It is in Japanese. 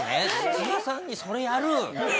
土屋さんにそれやる？